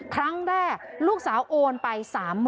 ครั้งแรกลูกสาวโอนไป๓๐๐๐